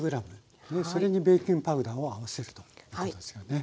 それにベーキングパウダーを合わせるということですよね。